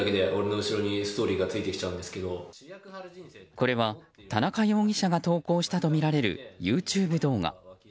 これは田中容疑者がＳＮＳに投稿したとみられるＹｏｕＴｕｂｅ動画。